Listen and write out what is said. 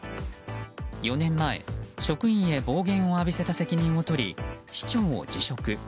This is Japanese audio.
４年前、職員へ暴言を浴びせた責任を取り市長を辞職。